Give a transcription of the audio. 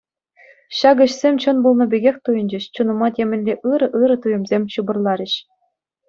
Ҫак ӗҫсем чӑн пулнӑ пекех туйӑнчӗҫ, чунӑма темӗнле ырӑ-ырӑ туйӑмсем ҫупӑрларӗҫ.